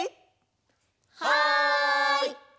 はい！